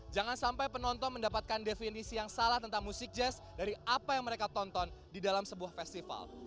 jangan sampai penonton mendapatkan definisi yang salah tentang musik jazz dari apa yang mereka tonton di dalam sebuah festival